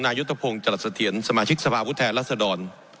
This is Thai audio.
ยุทธพงศ์จรัสเถียรสมาชิกสภาพุทธแทนรัศดร